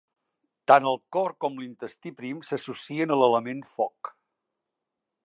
Tant el cor com l'intestí prim s'associen a l'element Foc.